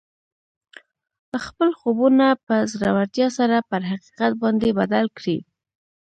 خپل خوبونه په زړورتیا سره پر حقیقت باندې بدل کړئ